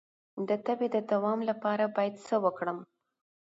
د تبې د دوام لپاره باید څه وکړم؟